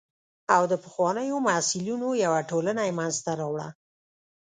او د پخوانیو محصلینو یوه ټولنه یې منځته راوړه.